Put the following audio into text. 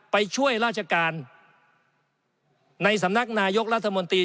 ไปช่วยราชการในสำนักนายกรัฐมนตรี